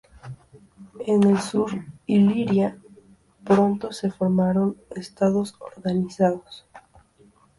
En el sur Iliria pronto se formaron estados organizados.